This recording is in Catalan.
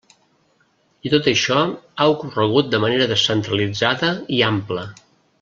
I tot això ha ocorregut de manera descentralitzada i ampla.